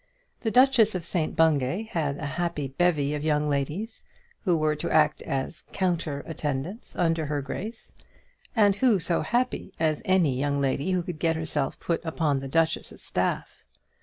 The Duchess of St Bungay had a happy bevy of young ladies who were to act as counter attendants under her grace; and who so happy as any young lady who could get herself put upon the duchess's staff?